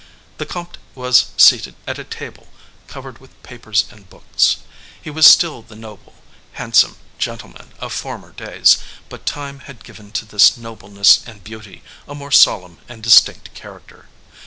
The comte was seated at a table covered with papers and books; he was still the noble, handsome gentleman of former days, but time had given to this nobleness and beauty a more solemn and distinct character.